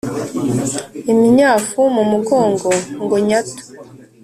Iminyafu mu mugongo ngo nyatu